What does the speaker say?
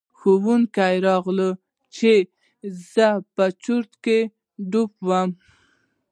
ښوونکي راغلل چې زه په چرت کې ډوب یم.